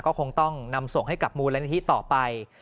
ก็คงต้องนำส่งให้กับมูลนิธิต่อไป